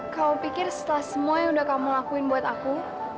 kau pikir setelah semua yang udah kamu lakuin buat aku